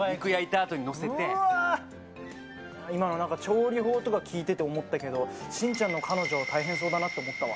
うわー、今の調理法とか聞いてて思ったけど、真ちゃんの彼女、大変そうだなと思ったわ。